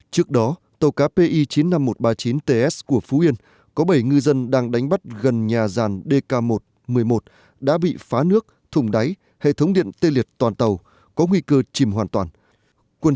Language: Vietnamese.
trước đó tàu cá pi chín mươi năm nghìn một trăm ba mươi chín ts của phú yên có bảy ngư dân đang đánh bắt gần nhà ràn dk một một mươi một đã bị phá nước thùng đáy hệ thống điện tê liệt toàn tàu có nguy cơ chìm hoàn toàn